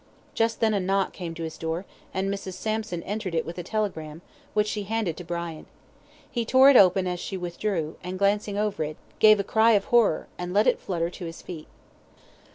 Just then a knock came to his door, and Mrs. Sampson entered with a telegram, which she handed to Brian. He tore it open as she withdrew, and glancing over it, gave a cry of horror, and let it flutter to his feet.